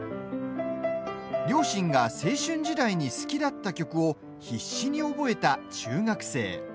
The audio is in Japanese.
両親が青春時代に好きだった曲を必死に覚えた中学生。